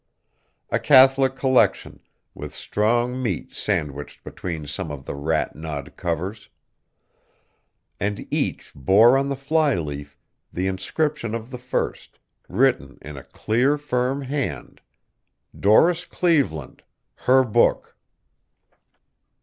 A catholic collection, with strong meat sandwiched between some of the rat gnawed covers. And each bore on the flyleaf the inscription of the first, written in a clear firm hand: Doris Cleveland Her Book.